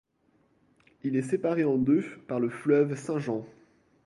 Il est séparé en deux par le fleuve Saint-Jean.